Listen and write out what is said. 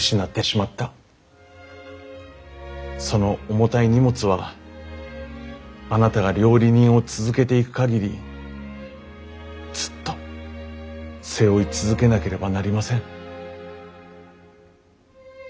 その重たい荷物はあなたが料理人を続けていく限りずっと背負い続けなければなりません。